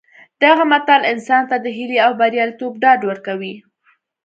دغه متل انسان ته د هیلې او بریالیتوب ډاډ ورکوي